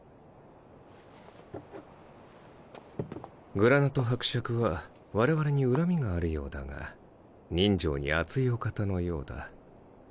グラナト伯爵は我々に恨みがあるようだが人情に厚いお方のようだ。